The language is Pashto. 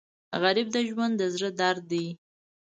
غریب د ژوند د زړه درد دی